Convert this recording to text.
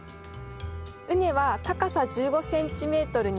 畝は高さ１５ｃｍにします。